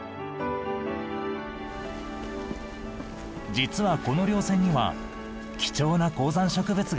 実はこの稜線には貴重な高山植物が集中。